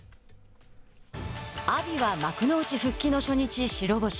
阿炎は幕内復帰の初日、白星。